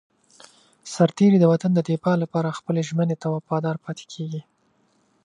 سرتېری د وطن د دفاع لپاره خپلې ژمنې ته وفادار پاتې کېږي.